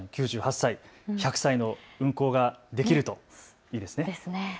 ９８歳、１００歳の運行ができるといいですね。